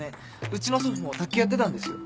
うちの祖父も卓球やってたんですよ。